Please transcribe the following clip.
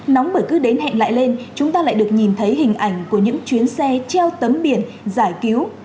nóng bởi cứ đến hẹn lại lên chúng ta lại được nhìn thấy hình ảnh của những chuyến xe treo tấm biển giải cứu